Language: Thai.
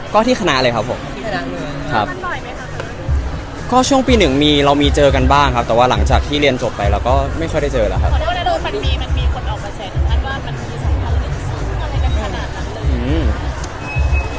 ขอเรียกว่าในโรคภัณฑ์มีมันมีคนเอามาแสดงว่ามันมีสังเกติศาสตร์อะไรกันขนาดนั้นเลย